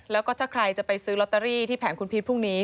แล้วก็ถ้าใครจะไปซื้อลอตเตอรี่ที่แผงคุณพีชพรุ่งนี้